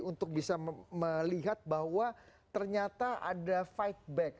untuk bisa melihat bahwa ternyata ada fight back